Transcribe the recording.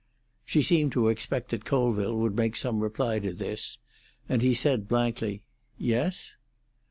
She seemed to expect that Colville would make some reply to this, and he said blankly, "Yes?"